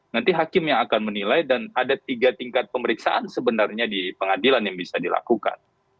nanti hakim yang akan menilai dan ada tiga tingkat pemeriksaan sebenarnya di pengadilan yang bisa dilakukan